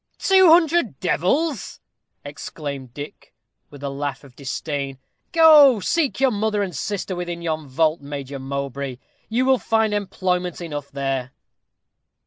"Two hundred devils!" exclaimed Dick, with a laugh of disdain. "Go, seek your mother and sister within yon vault, Major Mowbray; you will find employment enough there."